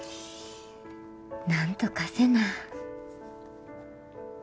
なんとかせな。